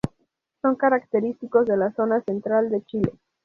Son característicos de la zona Central de Chile.